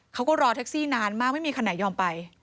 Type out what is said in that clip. เขาก็รอแท็กซี่นานมากไม่มีคันไหนยอมไป